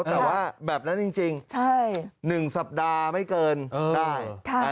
แต่ว่าแบบนั้นจริง๑สัปดาห์ไม่เกินได้